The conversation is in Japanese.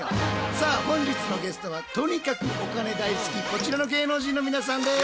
さあ本日のゲストはとにかくお金大好きこちらの芸能人の皆さんです。